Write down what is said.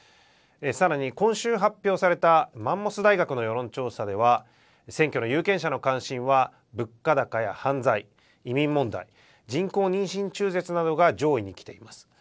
さらに、今週発表されたマンモス大学の世論調査では選挙の有権者の関心は物価高や犯罪、移民問題人工妊娠中絶などが上位にきています。